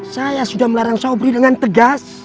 saya sudah melarang sobri dengan tegas